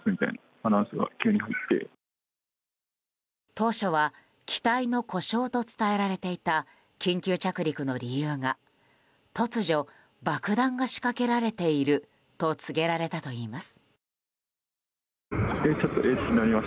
当初は機体の故障と伝えられていた緊急着陸の理由が突如、爆弾が仕掛けられていると告げられたといいます。